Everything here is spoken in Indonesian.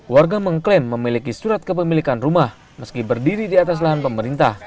warga mengklaim memiliki surat kepemilikan rumah meski berdiri di atas lahan pemerintah